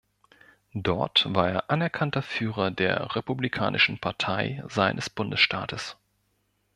Dort war er anerkannter Führer der Republikanischen Partei seines Bundesstaates.